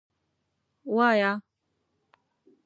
_وايه.